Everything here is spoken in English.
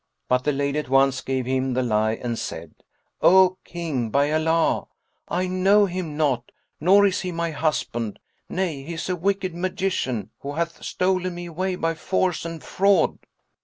But the lady at once gave him the lie and said, "O King, by Allah, I know him not, nor is he my husband; nay, he is a wicked magician who hath stolen me away by force and fraud."